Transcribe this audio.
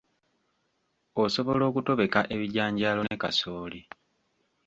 Osobola okutobeka ebijanjaalo ne kasooli.